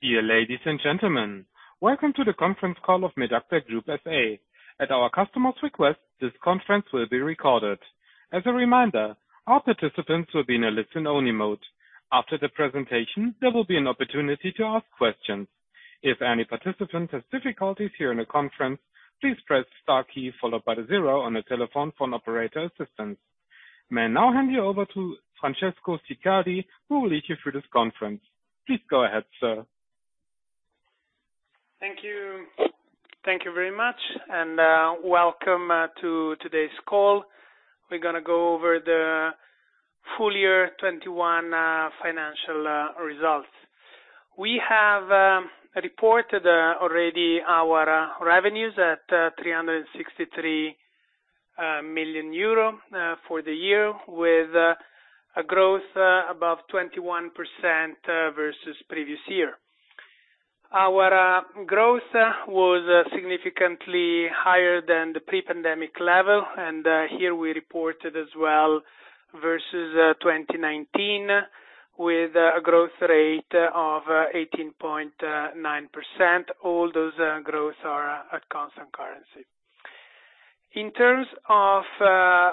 Dear ladies and gentlemen, welcome to the conference call of Medacta Group SA. At our customer's request, this conference will be recorded. As a reminder, all participants will be in a listen-only mode. After the presentation, there will be an opportunity to ask questions. If any participant has difficulties hearing the conference, please press star key followed by the zero on your telephone for an operator assistance. May I now hand you over to Francesco Siccardi, who will lead you through this conference. Please go ahead, sir. Thank you. Thank you very much, and welcome to today's call. We're gonna go over the full year 2021 financial results. We have reported already our revenues at 363 million euro for the year with a growth above 21% versus previous year. Our growth was significantly higher than the pre-pandemic level, and here we reported as well versus 2019 with a growth rate of 18.9%. All those growth are at constant currency. In terms of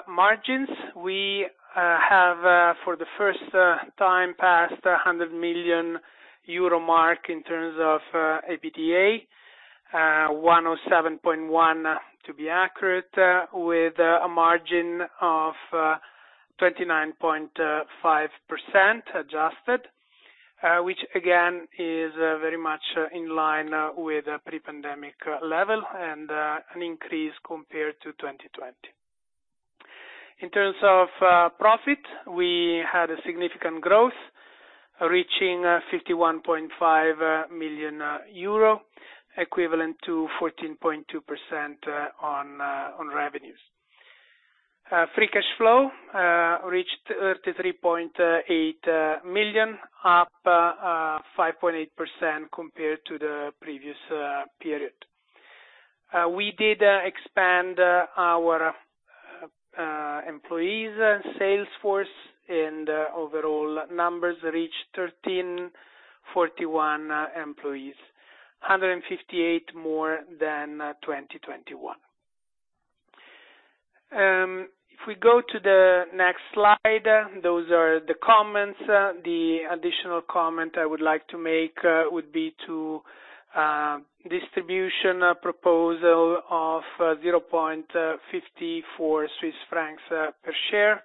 margins, we have for the first time passed a 100 million euro mark in terms of EBITDA, 107.1 to be accurate, with a margin of 29.5% adjusted, which again is very much in line with pre-pandemic level and an increase compared to 2020. In terms of profit, we had a significant growth reaching 51.5 million euro, equivalent to 14.2% on revenues. Free cash flow reached 33.8 million, up 5.8% compared to the previous period. We did expand our employees and sales force, and overall numbers reached 1,341 employees, 158 more than 2021. If we go to the next slide, those are the comments. The additional comment I would like to make would be to distribution proposal of 0.54 Swiss francs per share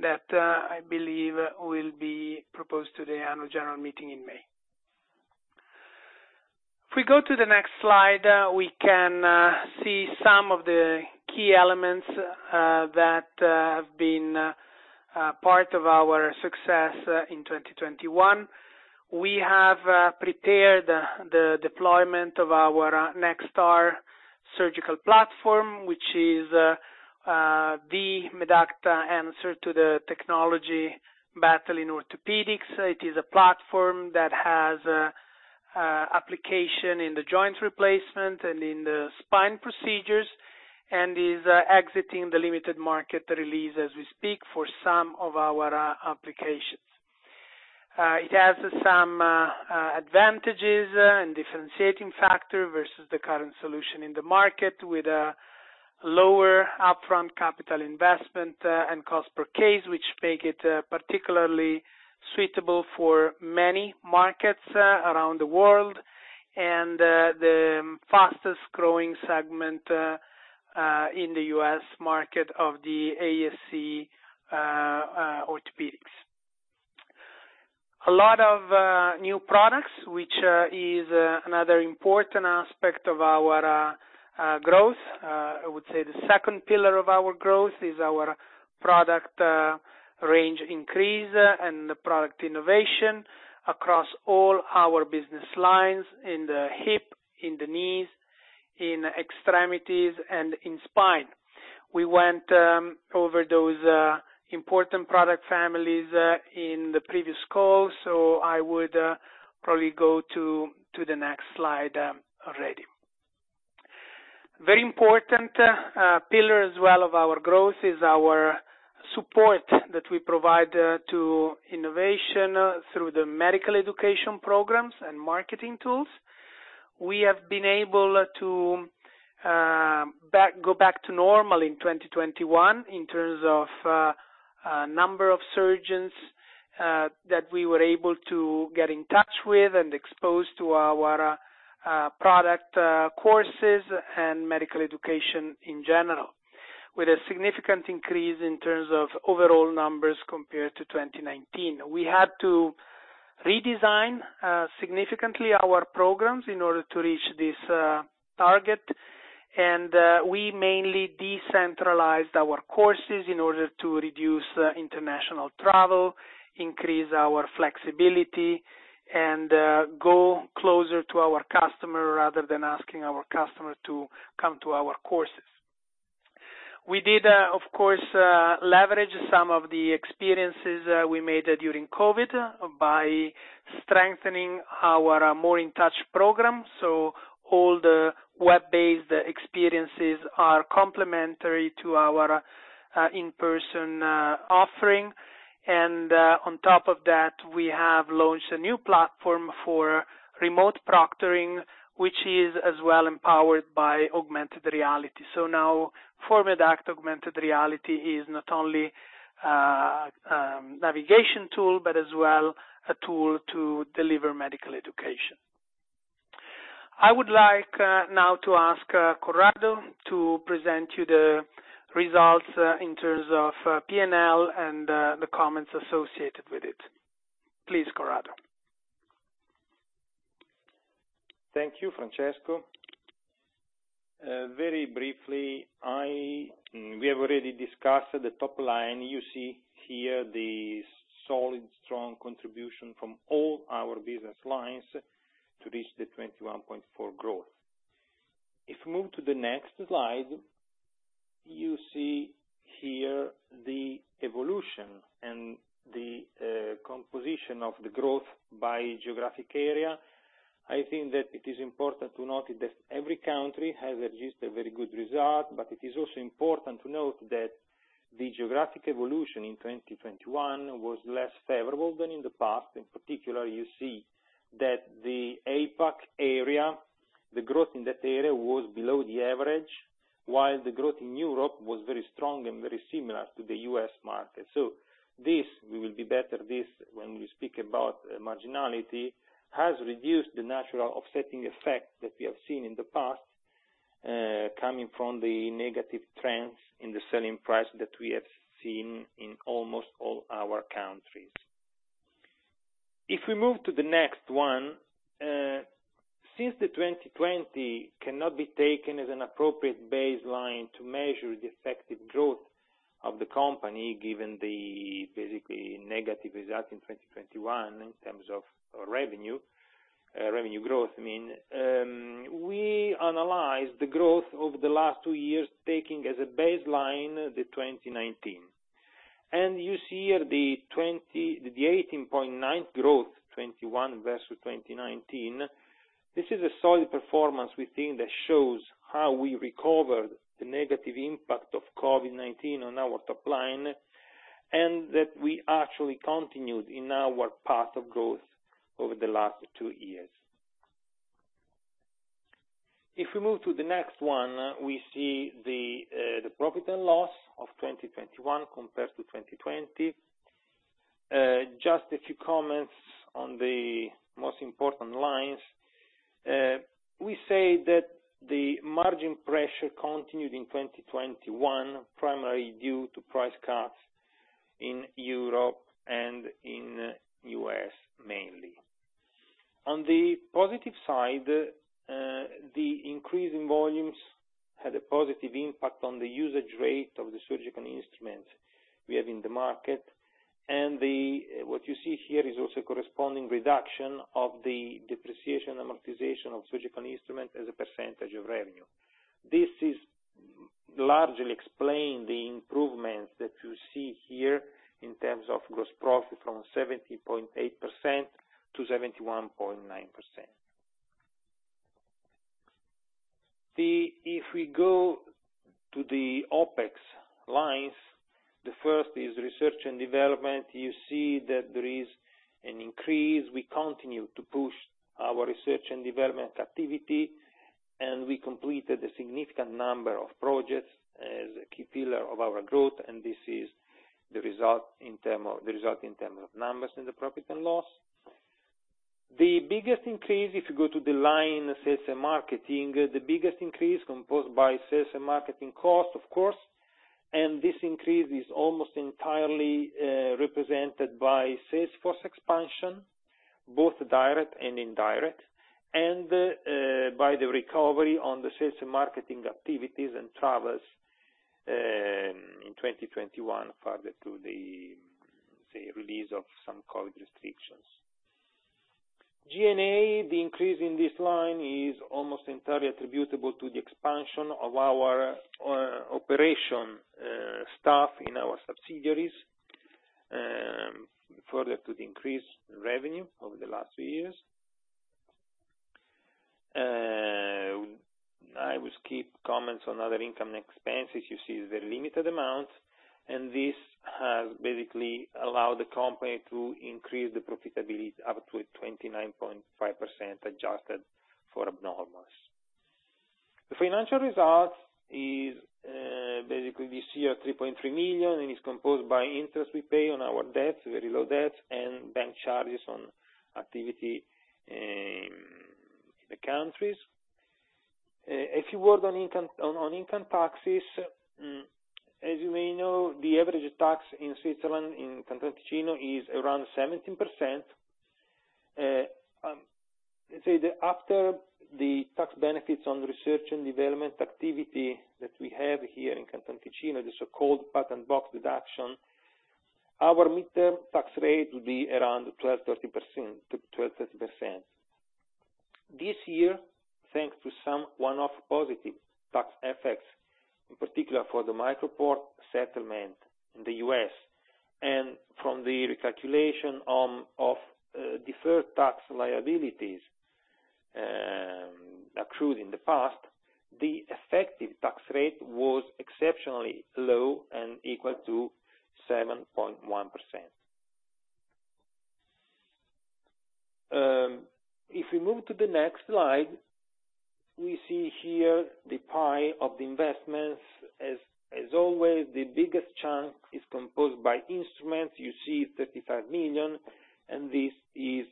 that I believe will be proposed to the annual general meeting in May. If we go to the next slide, we can see some of the key elements that have been part of our success in 2021. We have prepared the deployment of our NextAR surgical platform, which is the Medacta answer to the technology battle in orthopedics. It is a platform that has application in the joint replacement and in the spine procedures and is exiting the limited market release as we speak for some of our applications. It has some advantages and differentiating factor versus the current solution in the market with a lower upfront capital investment and cost per case, which make it particularly suitable for many markets around the world and the fastest growing segment in the U.S. market of the ASC orthopedics. A lot of new products, which is another important aspect of our growth. I would say the second pillar of our growth is our product range increase and the product innovation across all our business lines in the hip, in the knees, in extremities, and in spine. We went over those important product families in the previous call, so I would probably go to the next slide already. Very important pillar as well of our growth is our support that we provide to innovation through the medical education programs and marketing tools. We have been able to go back to normal in 2021 in terms of number of surgeons that we were able to get in touch with and expose to our product courses and medical education in general. With a significant increase in terms of overall numbers compared to 2019. We had to redesign significantly our programs in order to reach this target. We mainly decentralized our courses in order to reduce international travel, increase our flexibility, and go closer to our customer rather than asking our customer to come to our courses. We did, of course, leverage some of the experiences we made during COVID by strengthening our M.O.R.E. in Touch program. All the web-based experiences are complementary to our in-person offering. On top of that, we have launched a new platform for remote proctoring, which is as well empowered by augmented reality. Now for Medacta, augmented reality is not only navigation tool, but as well a tool to deliver medical education. I would like now to ask Corrado to present you the results in terms of P&L and the comments associated with it. Please, Corrado. Thank you, Francesco. Very briefly, we have already discussed the top line. You see here the solid, strong contribution from all our business lines to reach the 21.4% growth. If you move to the next slide, you see here the evolution and the composition of the growth by geographic area. I think that it is important to note that every country has at least a very good result, but it is also important to note that the geographic evolution in 2021 was less favorable than in the past. In particular, you see that the APAC area, the growth in that area was below the average, while the growth in Europe was very strong and very similar to the U.S. market. This will be better, this when we speak about marginality, has reduced the natural offsetting effect that we have seen in the past, coming from the negative trends in the selling price that we have seen in almost all our countries. If we move to the next one. Since 2020 cannot be taken as an appropriate baseline to measure the effective growth of the company, given the basically negative result in 2021 in terms of revenue growth, I mean. We analyzed the growth over the last two years, taking as a baseline 2019. You see here the 18.9% growth, 2021 versus 2019. This is a solid performance we think that shows how we recovered the negative impact of COVID-19 on our top line, and that we actually continued in our path of growth over the last two years. If we move to the next one, we see the profit and loss of 2021 compared to 2020. Just a few comments on the most important lines. We see that the margin pressure continued in 2021, primarily due to price cuts in Europe and in U.S. mainly. On the positive side, the increase in volumes had a positive impact on the usage rate of the surgical instruments we have in the market. What you see here is also corresponding reduction of the depreciation and amortization of surgical instruments as a percentage of revenue. This largely explains the improvements that you see here in terms of gross profit from 70.8% to 71.9%. If we go to the OpEx lines, the first is research and development. You see that there is an increase. We continue to push our research and development activity, and we completed a significant number of projects as a key pillar of our growth, and this is the result in terms of numbers in the Profit and Loss. The biggest increase, if you go to the line, sales and marketing, composed by sales and marketing costs, of course. This increase is almost entirely represented by sales force expansion, both direct and indirect, and by the recovery on the sales and marketing activities and travels in 2021 further to the, say, release of some COVID restrictions. G&A, the increase in this line is almost entirely attributable to the expansion of our operation staff in our subsidiaries further to the increased revenue over the last few years. I will skip comments on other income and expenses. You see the limited amount, and this has basically allowed the company to increase the profitability up to 29.5% adjusted for abnormals. The financial results is basically this year, 3.3 million, and it's composed by interest we pay on our debt, very low debt, and bank charges on activity in the countries. A few words on income taxes. As you may know, the average tax in Switzerland, in Canton Ticino is around 17%. Let's say that after the tax benefits on research and development activity that we have here in Canton Ticino, the so-called patent box deduction, our midterm tax rate will be around 12%-13%. This year, thanks to some one-off positive tax effects, in particular for the MicroPort settlement in the U.S. and from the recalculation of deferred tax liabilities accrued in the past, the effective tax rate was exceptionally low and equal to 7.1%. If we move to the next slide, we see here the pie of the investments. As always, the biggest chunk is composed by instruments. You see 35 million, and this is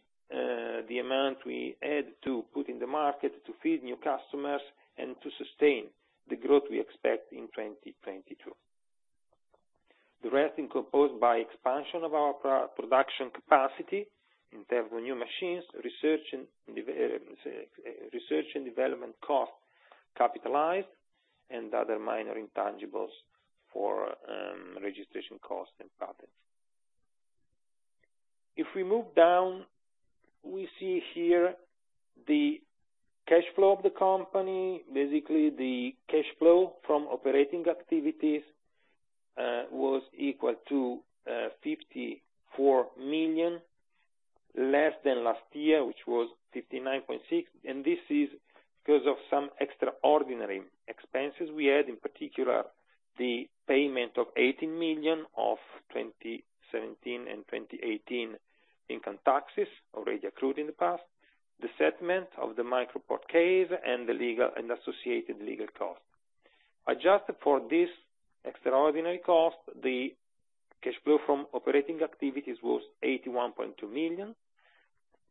the amount we had to put in the market to feed new customers and to sustain the growth we expect in 2022. The rest is composed by expansion of our production capacity in terms of new machines, research and development costs capitalized, and other minor intangibles for registration costs and patents. If we move down, we see here the cash flow of the company. Basically, the cash flow from operating activities was equal to 54 million, less than last year, which was 59.6 million. This is because of some extraordinary expenses we had, in particular, the payment of 18 million of 2017 and 2018 income taxes already accrued in the past, the settlement of the MicroPort case and the legal and associated legal costs. Adjusted for this extraordinary cost, the cash flow from operating activities was 81.2 million.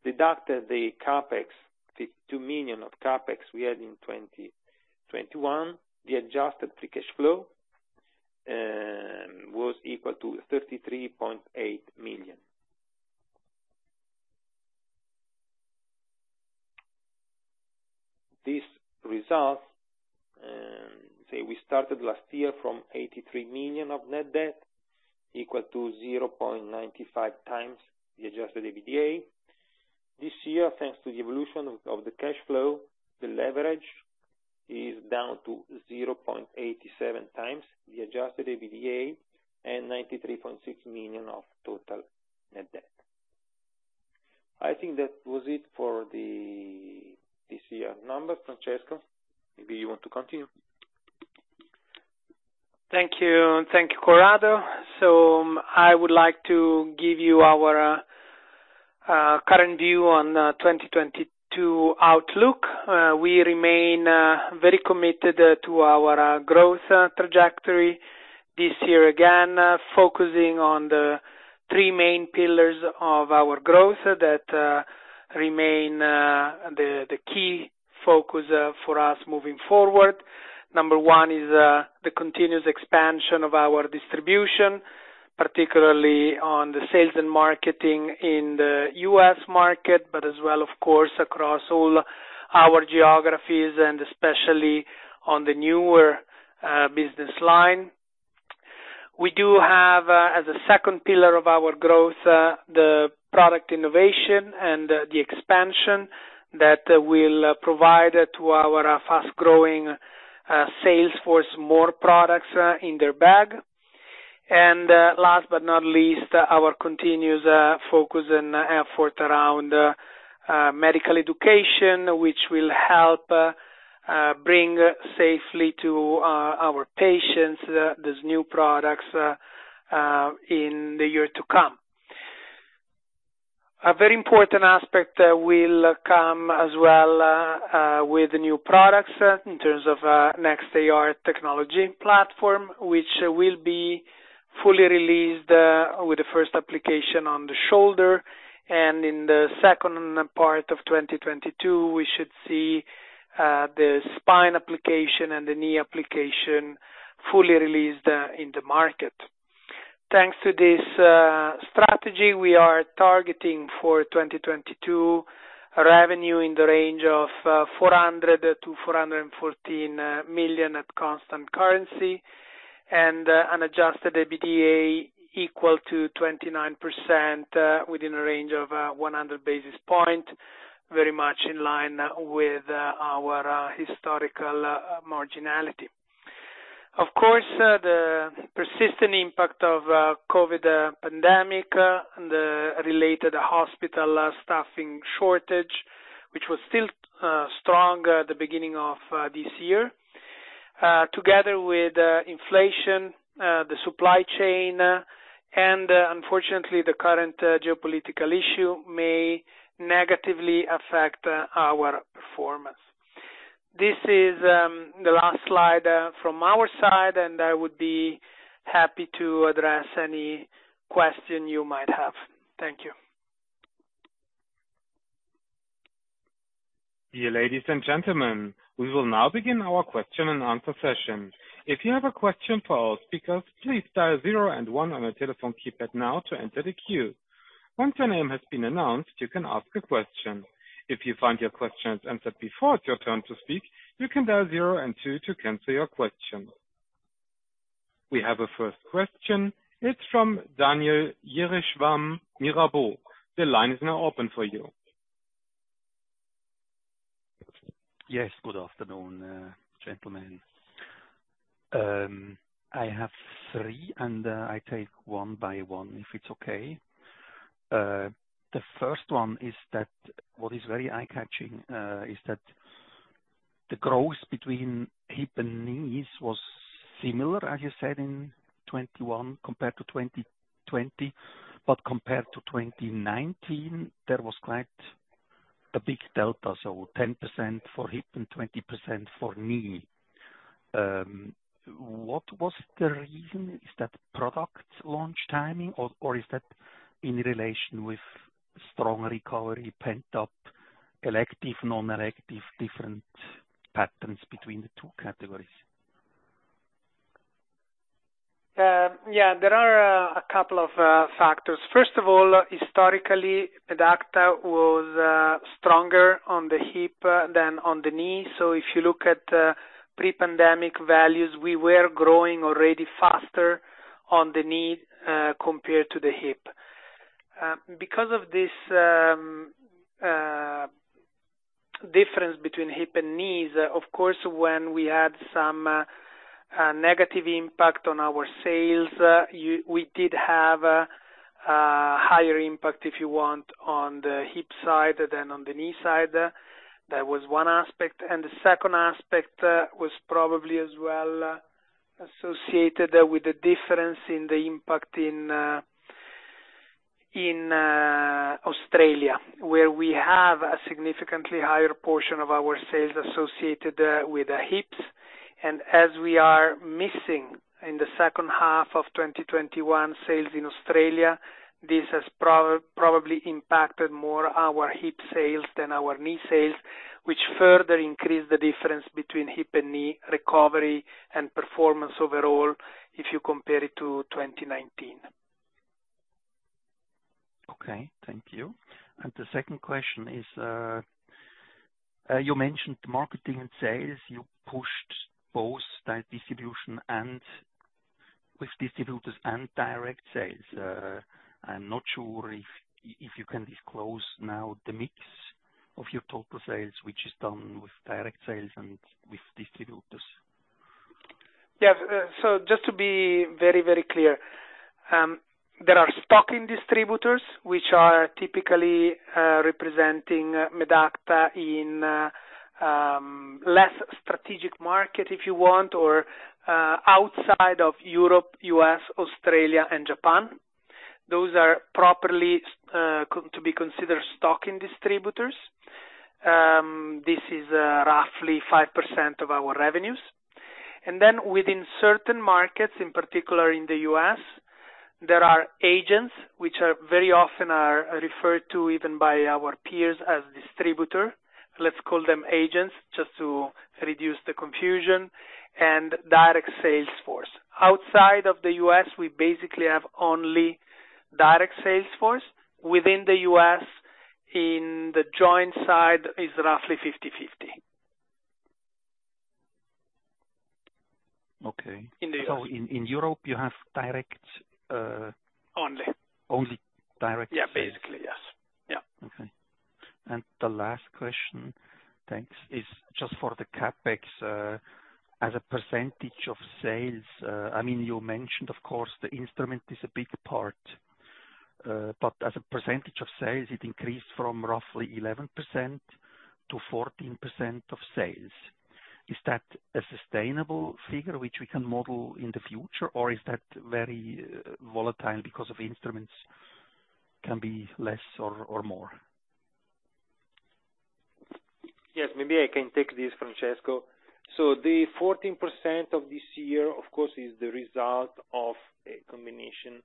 Deduct the CapEx, 52 million of CapEx we had in 2021. The adjusted free cash flow was equal to EUR 33.8 million. This result, so we started last year from 83 million of net debt equal to 0.95 times the adjusted EBITDA. This year, thanks to the evolution of the cash flow, the leverage is down to 0.87 times the adjusted EBITDA and 93.6 million of total net debt. I think that was it for this year numbers. Francesco, maybe you want to continue. Thank you. Thank you, Corrado. I would like to give you our current view on 2022 outlook. We remain very committed to our growth trajectory this year again, focusing on the three main pillars of our growth that remain the key focus for us moving forward. Number one is the continuous expansion of our distribution, particularly on the sales and marketing in the U.S. market, but as well, of course, across all our geographies and especially on the newer business line. We do have as a second pillar of our growth the product innovation and the expansion that will provide to our fast growing sales force more products in their bag. Last but not least, our continuous focus and effort around medical education, which will help bring safely to our patients these new products in the year to come. A very important aspect that will come as well with the new products in terms of NextAR technology platform, which will be fully released with the first application on the shoulder. In the second part of 2022, we should see the spine application and the knee application fully released in the market. Thanks to this strategy, we are targeting for 2022 revenue in the range of 400 million-414 million at constant currency. An adjusted EBITDA equal to 29%, within a range of 100 basis points, very much in line with our historical marginality. Of course, the persistent impact of COVID pandemic and the related hospital staffing shortage, which was still strong at the beginning of this year, together with inflation, the supply chain, and unfortunately the current geopolitical issue may negatively affect our performance. This is the last slide from our side, and I would be happy to address any question you might have. Thank you. Dear ladies and gentlemen, we will now begin our question and answer session. If you have a question for our speakers, please dial zero and one on your telephone keypad now to enter the queue. Once your name has been announced, you can ask a question. If you find your question answered before it's your turn to speak, you can dial zero and two to cancel your question. We have a first question. It's from Daniel Jelovcan, Mirabaud. The line is now open for you. Yes, good afternoon, gentlemen. I have three, I take one by one if it's okay. The first one is, what is very eye-catching is that the growth between hip and knees was similar, as you said, in 2021 compared to 2020, but compared to 2019 there was quite a big delta, so 10% for hip and 20% for knee. What was the reason? Is that product launch timing or is that in relation with strong recovery pent up elective, non-elective different patterns between the two categories? Yeah. There are a couple of factors. First of all, historically, Medacta was stronger on the hip than on the knee. So if you look at pre-pandemic values, we were growing already faster on the knee compared to the hip. Because of this difference between hip and knees, of course, when we had some negative impact on our sales, we did have a higher impact, if you want, on the hip side than on the knee side. That was one aspect. The second aspect was probably as well associated with the difference in the impact in Australia, where we have a significantly higher portion of our sales associated with the hips. As we are missing in the second half of 2021 sales in Australia, this has probably impacted more our hip sales than our knee sales, which further increased the difference between hip and knee recovery and performance overall, if you compare it to 2019. Okay. Thank you. The second question is, you mentioned marketing and sales. You pushed both the distribution and with distributors and direct sales. I'm not sure if you can disclose now the mix of your total sales, which is done with direct sales and with distributors. Yes. Just to be very, very clear, there are stocking distributors which are typically representing Medacta in less strategic market, if you want, or outside of Europe, U.S., Australia and Japan. Those are properly considered to be stocking distributors. This is roughly 5% of our revenues. Within certain markets, in particular in the U.S., there are agents which very often are referred to even by our peers as distributor. Let's call them agents just to reduce the confusion and direct sales force. Outside of the U.S., we basically have only direct sales force. Within the U.S., in the joint side is roughly 50/50. Okay. In the U.S. In Europe you have direct. Only. Only direct sales. Yeah, basically. Yes. Yeah. Okay. The last question, thanks, is just for the CapEx, as a percentage of sales. I mean, you mentioned of course the instrument is a big part, but as a percentage of sales it increased from roughly 11% to 14% of sales. Is that a sustainable figure which we can model in the future, or is that very volatile because instruments can be less or more? Yes. Maybe I can take this, Francesco. The 14% of this year, of course, is the result of a combination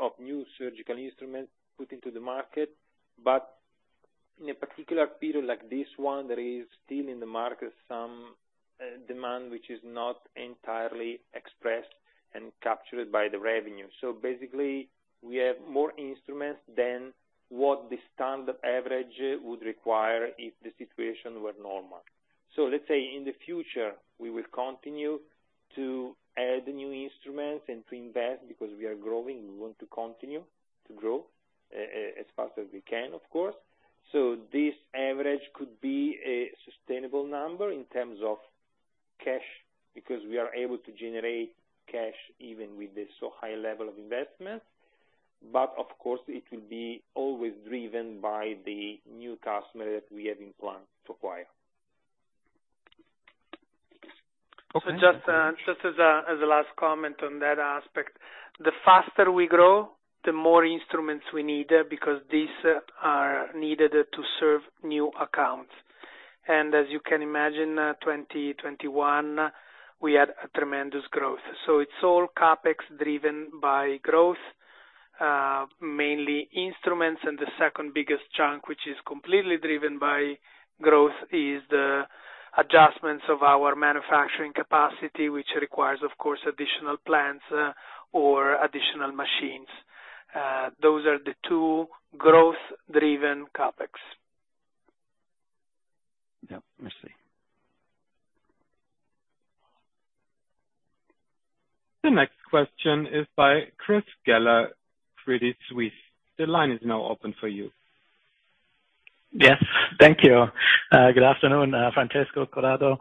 of new surgical instruments put into the market. In a particular period like this one, there is still in the market some demand which is not entirely expressed and captured by the revenue. Basically we have more instruments than what the standard average would require if the situation were normal. Let's say in the future we will continue to add new instruments and to invest because we are growing, we want to continue to grow, as fast as we can of course. This average could be a sustainable number in terms of cash because we are able to generate cash even with this so high level of investment. Of course it will be always driven by the new customer that we have planned to acquire. Okay. Just as a last comment on that aspect, the faster we grow, the more instruments we need because these are needed to serve new accounts. As you can imagine, in 2021 we had a tremendous growth. It's all CapEx driven by growth, mainly instruments. The second biggest chunk, which is completely driven by growth, is the adjustments of our manufacturing capacity which requires of course additional plants or additional machines. Those are the two growth driven CapEx. Yeah. I see. The next question is by Chris Geller, Credit Suisse. The line is now open for you. Yes. Thank you. Good afternoon, Francesco, Corrado.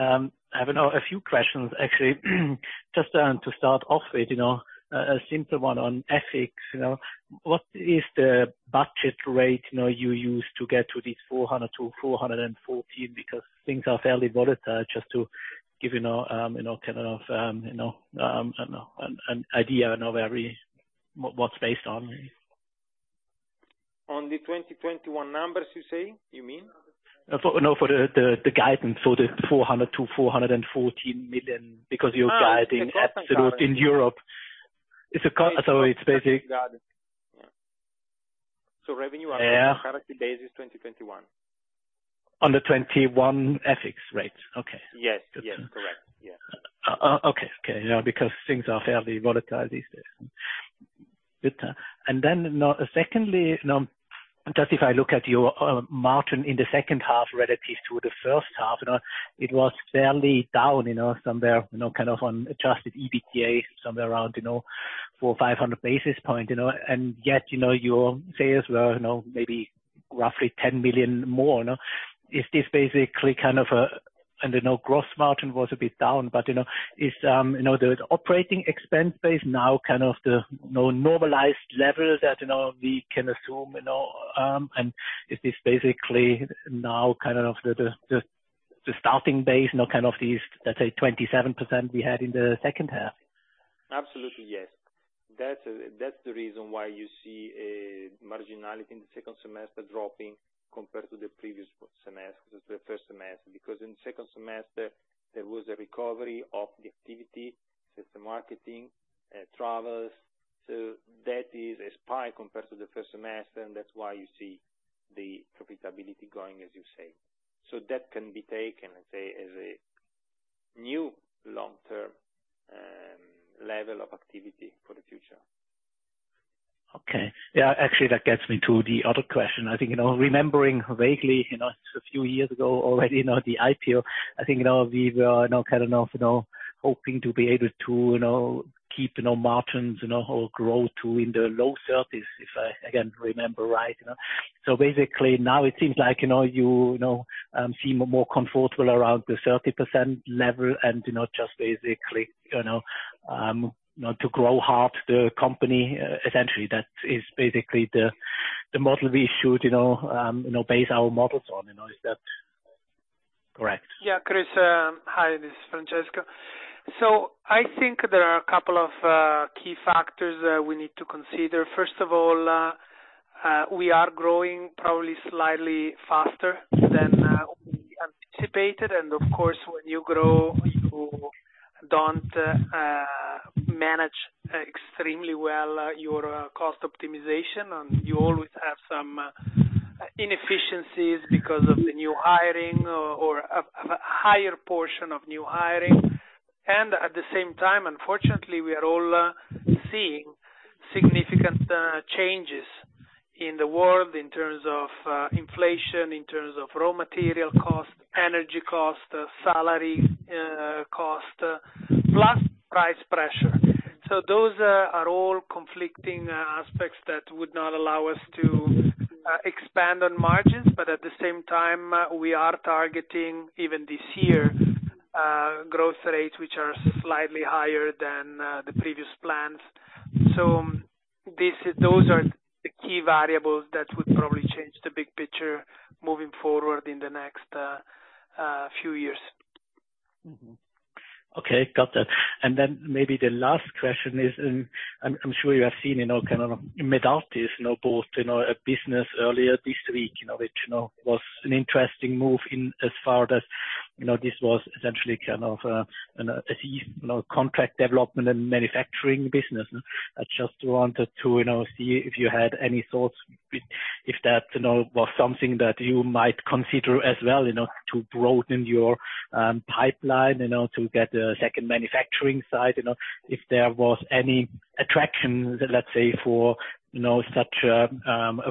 I have a few questions actually. Just to start off with, you know, a simple one on FX, you know. What is the budget rate, you know, you use to get to these 400-414 because things are fairly volatile, just to give, you know, kind of, an idea of where we what what's based on. On the 2021 numbers you say, you mean? for the guidance for the 400 million-414 million, because you're guiding Ah. absolute in Europe. It's basic. Revenue Yeah. on a comparable basis 2021. On the 21% effective tax rate. Okay. Yes. Yes. Correct. Yes. Okay. You know, because things are fairly volatile these days. Good. Then, secondly, just if I look at your margin in the second half relative to the first half, you know, it was fairly down, you know, somewhere, you know, kind of on adjusted EBITDA somewhere around, you know, 400-500 basis points, you know, and yet, you know, your sales were, you know, maybe roughly 10 million more, you know. Is this basically kind of a gross margin was a bit down, but, you know, is the operating expense base now kind of the normalized level that, you know, we can assume, you know, and is this basically now kind of the starting base, you know, kind of this, let's say, 27% we had in the second half? Absolutely, yes. That's the reason why you see margins in the second semester dropping compared to the previous semester, the first semester, because in second semester, there was a recovery of the activity, sales and marketing, travels. That is a spike compared to the first semester, and that's why you see the profitability growing, as you say. That can be taken, let's say, as a new long-term level of activity for the future. Okay. Yeah, actually, that gets me to the other question. I think, you know, remembering vaguely, you know, a few years ago already, you know, the IPO, I think, you know, we were, you know, kind of, you know, hoping to be able to, you know, keep, you know, margins, you know, or grow to in the low 30s%, if I, again, remember right. You know? Basically now it seems like, you know, you seem more comfortable around the 30% level and, you know, just basically, you know, you know, to grow half the company, essentially, that is basically the model we should, you know, base our models on, you know. Is that correct? Yeah, Chris. Hi, this is Francesco. I think there are a couple of key factors that we need to consider. First of all, we are growing probably slightly faster than we anticipated. Of course, when you grow, you don't manage extremely well your cost optimization, and you always have some inefficiencies because of the new hiring or of a higher portion of new hiring. At the same time, unfortunately, we are all seeing significant changes in the world in terms of inflation, in terms of raw material cost, energy cost, salary cost, plus price pressure. Those are all conflicting aspects that would not allow us to expand on margins. At the same time, we are targeting, even this year, growth rates which are slightly higher than the previous plans. Those are the key variables that would probably change the big picture moving forward in the next few years. Mm-hmm. Okay. Got that. Maybe the last question is, I'm sure you have seen, you know, kind of Medartis, you know, bought, you know, a business earlier this week, you know, which, you know, was an interesting move insofar as, you know, this was essentially kind of, you know, a fee contract development and manufacturing business. I just wanted to, you know, see if you had any thoughts if that, you know, was something that you might consider as well, you know, to broaden your pipeline, you know, to get a second manufacturing site, you know, if there was any attraction, let's say, for, you know, such a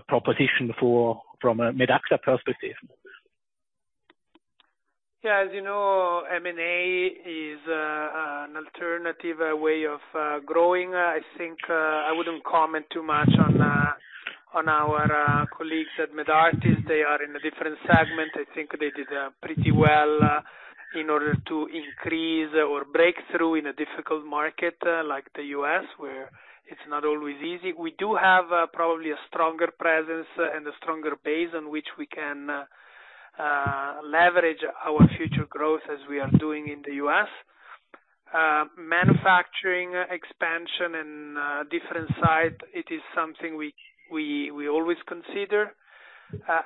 proposition from a Medacta perspective. Yeah, as you know, M&A is an alternative way of growing. I think I wouldn't comment too much on our colleagues at Medartis. They are in a different segment. I think they did pretty well in order to increase or break through in a difficult market like the U.S., where it's not always easy. We do have probably a stronger presence and a stronger base on which we can leverage our future growth as we are doing in the U.S. Manufacturing expansion in a different site is something we always consider.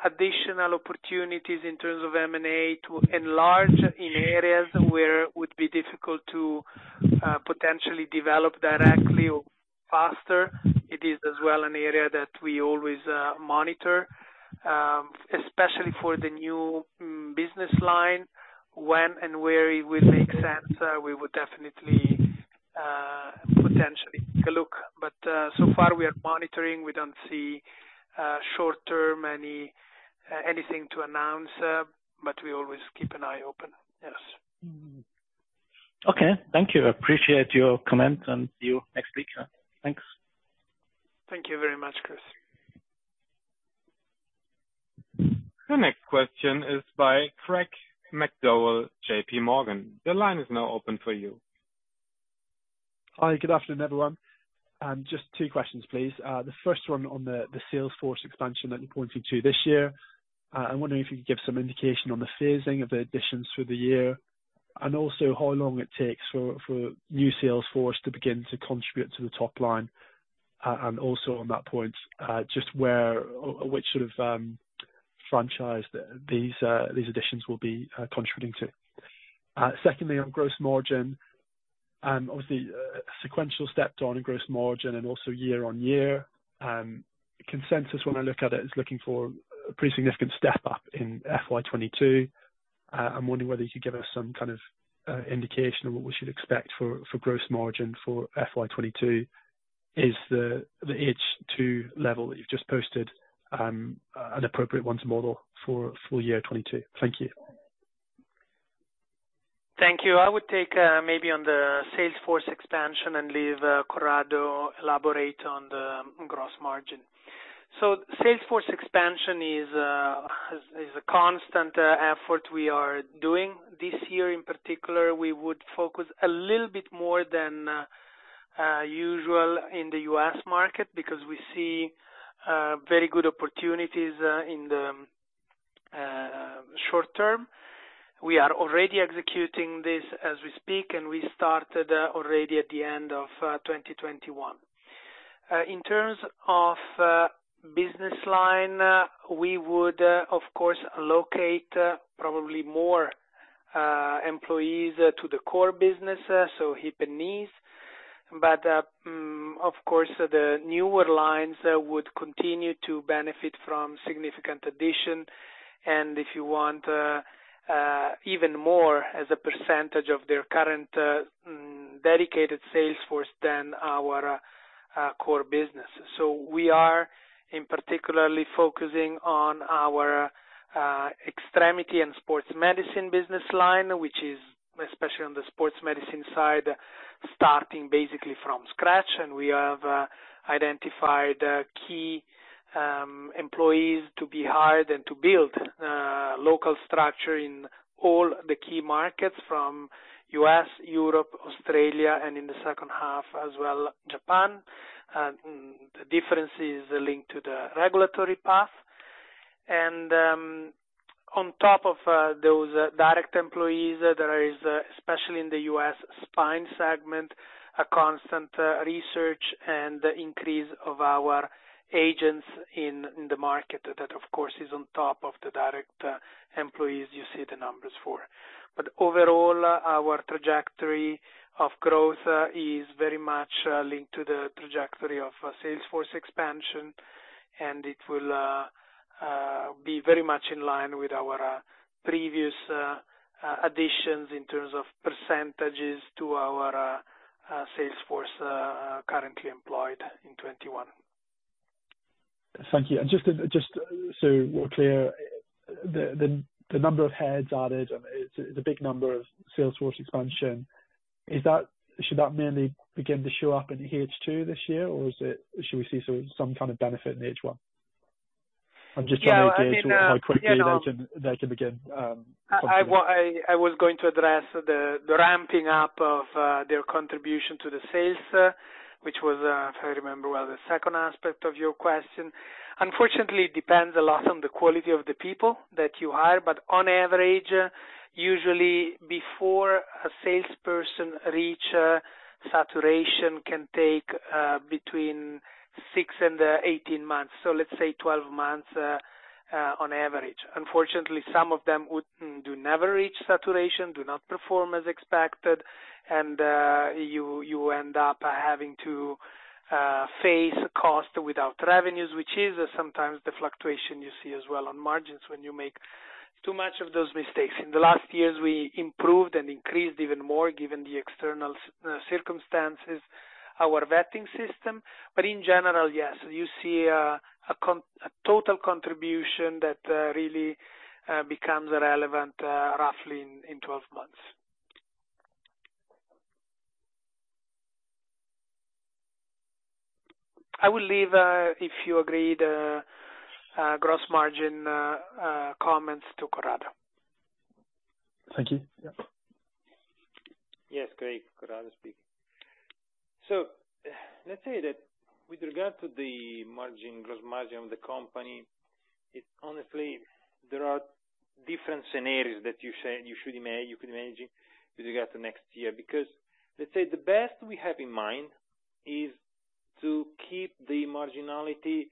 Additional opportunities in terms of M&A to enlarge in areas where it would be difficult to potentially develop directly or faster. It is as well an area that we always monitor, especially for the new business line, when and where it will make sense. We would definitely potentially take a look. So far we are monitoring. We don't see short-term anything to announce, but we always keep an eye open. Yes. Okay, thank you. I appreciate your comment and see you next week. Thanks. Thank you very much, Chris. The next question is by Craig McDowell, JPMorgan. The line is now open for you. Hi, good afternoon, everyone. Just two questions, please. The first one on the sales force expansion that you pointed to this year. I'm wondering if you could give some indication on the phasing of the additions through the year and also how long it takes for new sales force to begin to contribute to the top line. Also on that point, just where or which sort of franchise these additions will be contributing to. Secondly, on gross margin, obviously, sequential step up in gross margin and also year-on-year, consensus when I look at it is looking for a pretty significant step up in FY 2022. I'm wondering whether you could give us some kind of indication of what we should expect for gross margin for FY 2022. Is the H2 level that you've just posted an appropriate one to model for full year 2022? Thank you. Thank you. I would take maybe on the sales force expansion and leave Corrado elaborate on the gross margin. Sales force expansion is a constant effort we are doing. This year in particular, we would focus a little bit more than usual in the U.S. market because we see very good opportunities in the short term. We are already executing this as we speak, and we started already at the end of 2021. In terms of business line, we would of course allocate probably more employees to the core business, hip and knees. Of course the newer lines would continue to benefit from significant addition, and if you want, even more as a percentage of their current dedicated sales force than our core business. We are particularly focusing on our extremity and sports medicine business line, which is especially on the sports medicine side, starting basically from scratch. We have identified key employees to be hired and to build local structure in all the key markets from U.S., Europe, Australia, and in the second half as well, Japan. The difference is linked to the regulatory path. On top of those direct employees, there is, especially in the U.S. spine segment, a constant research and increase of our agents in the market. That of course is on top of the direct employees you see the numbers for. Overall, our trajectory of growth is very much linked to the trajectory of sales force expansion, and it will be very much in line with our previous additions in terms of percentages to our sales force currently employed in 2021. Thank you. Just so we're clear, the number of heads added, it's a big number of sales force expansion. Is that? Should that mainly begin to show up in the H2 this year, or is it? Should we see some kind of benefit in H1? I'm just trying to get to how quickly they can begin contributing. Yeah, I mean, you know. I was going to address the ramping up of their contribution to the sales, which was, if I remember well, the second aspect of your question. Unfortunately, it depends a lot on the quality of the people that you hire. On average, usually before a salesperson reach saturation can take between six and 18 months. Let's say 12 months on average. Unfortunately, some of them would never reach saturation, do not perform as expected, and you end up having to face cost without revenues, which is sometimes the fluctuation you see as well on margins when you make too much of those mistakes. In the last years, we improved and increased even more, given the external circumstances, our vetting system. In general, yes, you see a total contribution that really becomes relevant roughly in 12 months. I will leave, if you agree, the gross margin comments to Corrado. Thank you. Yep. Yes, Craig. Corrado speaking. Let's say that with regard to the margin, gross margin of the company, it honestly, there are different scenarios you can imagine with regard to next year, because let's say the best we have in mind is to keep the marginality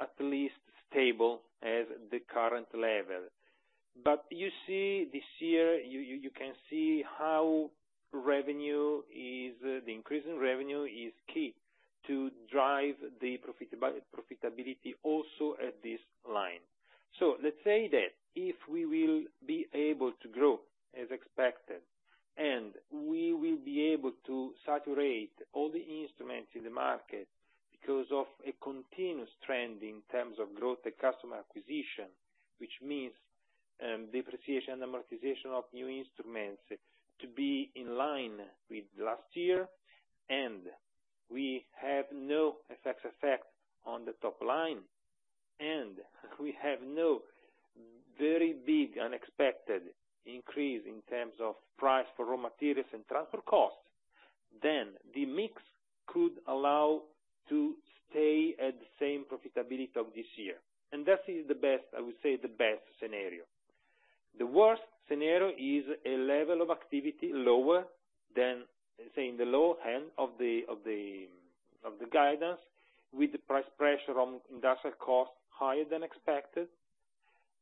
at least stable as the current level. You see this year, you can see how revenue is, the increase in revenue is key to drive profitability also at this line. Let's say that if we will be able to grow as expected, and we will be able to saturate all the instruments in the market. Because of a continuous trend in terms of growth and customer acquisition, which means, depreciation and amortization of new instruments to be in line with last year. We have no FX effect on the top line, and we have no very big unexpected increase in terms of price for raw materials and transport costs. The mix could allow to stay at the same profitability of this year. That is the best. I would say, the best scenario. The worst scenario is a level of activity lower than, say, in the low end of the guidance, with the price pressure on industrial costs higher than expected,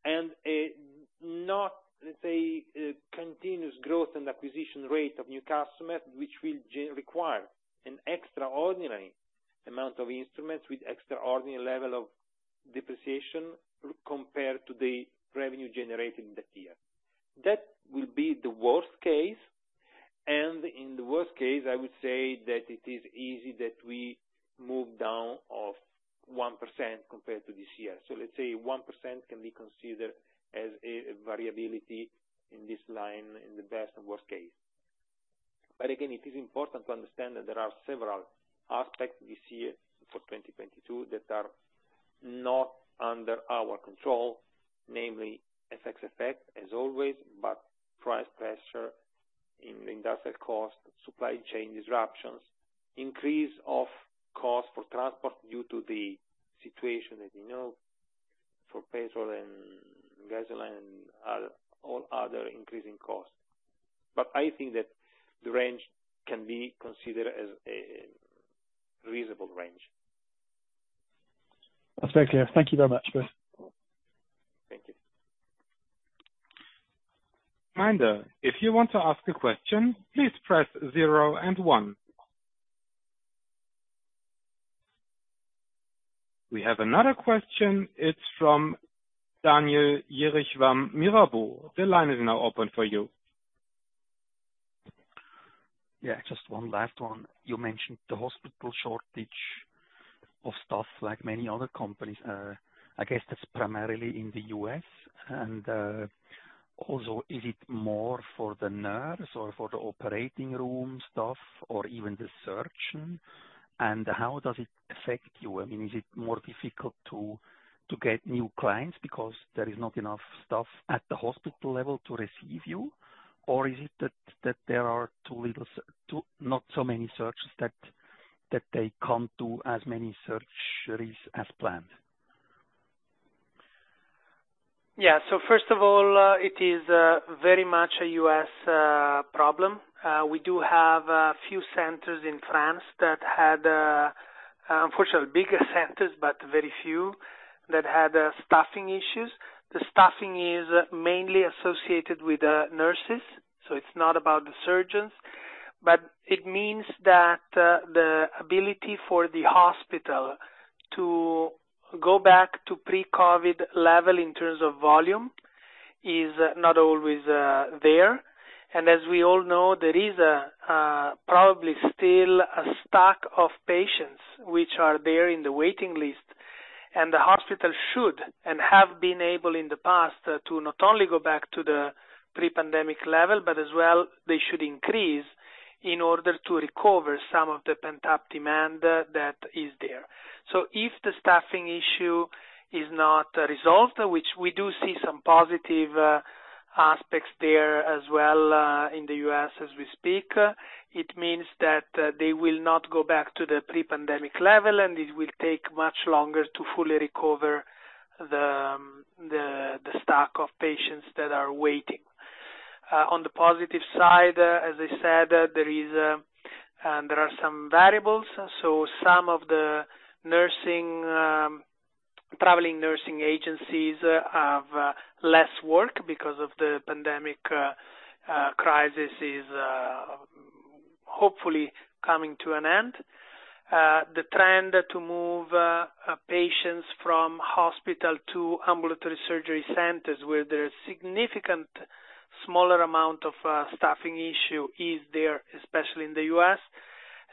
and not, let's say, continuous growth and acquisition rate of new customers, which will require an extraordinary amount of instruments with extraordinary level of depreciation compared to the revenue generated that year. That will be the worst case. In the worst case, I would say that it is easy that we move down of 1% compared to this year. Let's say 1% can be considered as a variability in this line in the best and worst case. It is important to understand that there are several aspects this year for 2022 that are not under our control. Namely, FX effect as always, but price pressure in industrial cost, supply chain disruptions, increase of cost for transport due to the situation, as you know, for petrol and gasoline and other all other increasing costs. I think that the range can be considered as a reasonable range. That's very clear. Thank you very much. Bye. Thank you. We have another question. It's from Daniel Jelovcan of Mirabaud. The line is now open for you. Yeah. Just one last one. You mentioned the hospital shortage of staff, like many other companies. I guess that's primarily in the U.S. Also, is it more for the nurse or for the operating room staff or even the surgeon? How does it affect you? I mean, is it more difficult to get new clients because there is not enough staff at the hospital level to receive you? Or is it that there are not so many surgeons that they can't do as many surgeries as planned? Yeah. First of all, it is very much a U.S. problem. We do have a few centers in France that had, unfortunately bigger centers, but very few, that had staffing issues. The staffing is mainly associated with nurses, so it's not about the surgeons. It means that the ability for the hospital to go back to pre-COVID level in terms of volume is not always there. As we all know, there is probably still a stock of patients which are there in the waiting list. The hospital should, and have been able in the past, to not only go back to the pre-pandemic level, but as well, they should increase in order to recover some of the pent-up demand that is there. If the staffing issue is not resolved, which we do see some positive aspects there as well in the U.S. as we speak, it means that they will not go back to the pre-pandemic level, and it will take much longer to fully recover the stock of patients that are waiting. On the positive side, as I said, there are some variables. Some of the nursing traveling nursing agencies have less work because of the pandemic crisis is hopefully coming to an end. The trend to move patients from hospital to ambulatory surgery centers, where there's significant smaller amount of staffing issue is there, especially in the U.S.,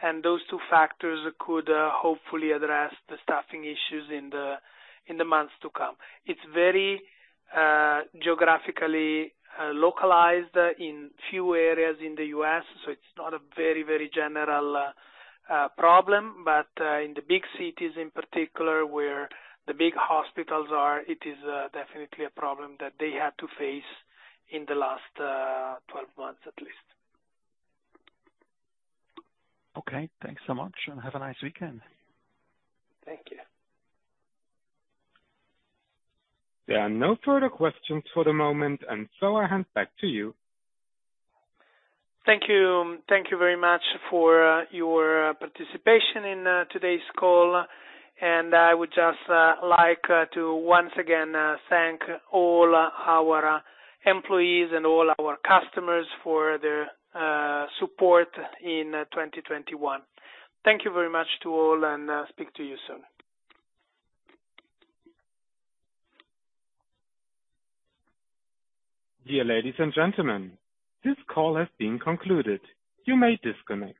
and those two factors could hopefully address the staffing issues in the months to come. It's very geographically localized in few areas in the U.S., so it's not a very, very general problem. In the big cities in particular where the big hospitals are, it is definitely a problem that they had to face in the last 12 months at least. Okay. Thanks so much, and have a nice weekend. Thank you. There are no further questions for the moment, and so I hand back to you. Thank you. Thank you very much for your participation in today's call. I would just like to once again thank all our employees and all our customers for their support in 2021. Thank you very much to all, and I'll speak to you soon. Dear ladies and gentlemen, this call has been concluded. You may disconnect.